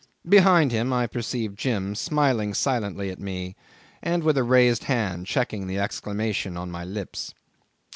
Behind him I perceived Jim smiling silently at me, and with a raised hand checking the exclamation on my lips.